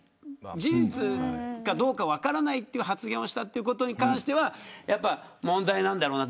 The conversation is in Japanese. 事実かどうか分からないという発言をしたことに関してはやっぱ問題なんだろうな。